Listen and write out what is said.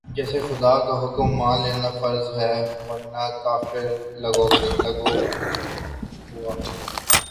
جیسے خدا کا حکم مان لینا فرض ہے ورنہ کفر لاگو ہوا